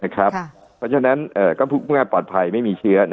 เพราะฉะนั้นปลอดภัยไม่มีเชื้อ